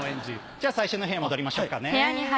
じゃあ最初の部屋戻りましょうかね。